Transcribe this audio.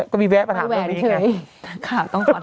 ก็มีแวะประถามเรื่องนี้ไง